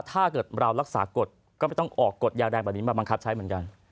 ถ้าเกิดเรารักษากฎก็ไม่ต้องออกกฎยาแรงแบบนี้มาบังคับใช้เหมือนกัน